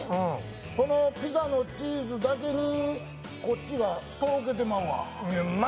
このピザのチーズだけにこっちがとろけてまうわ。